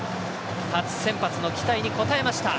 初先発の期待に応えました。